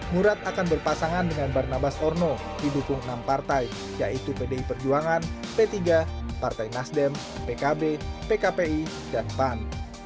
murad akan berpasangan dengan barnabas orno didukung enam partai yaitu pdi perjuangan p tiga partai nasdem pkb pkpi dan pan